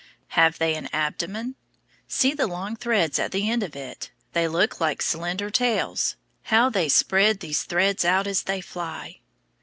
Have they an abdomen? See the long threads at the end of it, they look like slender tails. How they spread these threads out as they fly!